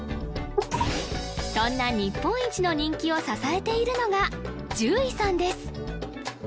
そんな日本一の人気を支えているのが獣医さんです